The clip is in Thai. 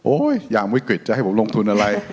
อย่างวิกฤตจะให้ผมลงทุนอะไร